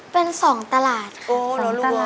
เป็นสองตลาดค่ะ